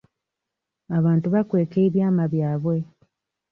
Abantu bakweka ebyama byabwe.